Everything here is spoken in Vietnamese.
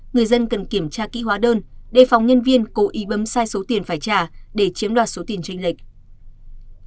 người dân cần kiểm tra kỹ hóa đơn đề phòng nhân viên cố ý bấm sai số tiền phải trả để chiếm đoạt số tiền tranh lệch